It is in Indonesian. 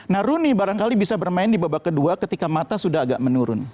nah rooney barangkali bisa bermain di babak kedua ketika mata sudah agak menurun